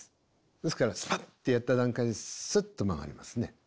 ですからスパッてやった段階でスッと曲がりますね。